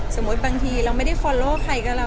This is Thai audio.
สมมุติบางทีแล้วไม่ได้ฟอลโลกางน์ใครต่อ